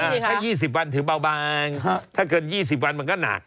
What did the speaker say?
ถ้า๒๐วันถือเบาบางถ้าเกิน๒๐วันมันก็หนัก